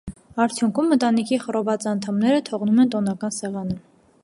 Արդյունքում, ընտանիքի խռոված անդամները թողնում են տոնական սեղանը։